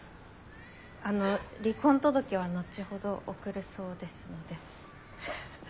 あの離婚届は後ほど送るそうですので。